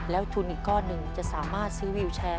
ทุนอีกก้อนหนึ่งจะสามารถซื้อวิวแชร์